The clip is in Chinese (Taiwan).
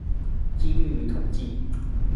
機率與統計